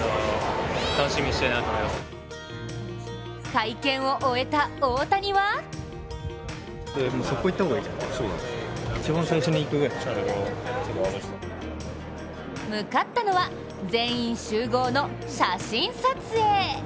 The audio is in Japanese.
会見を終えた大谷は向かったのは全員集合の写真撮影。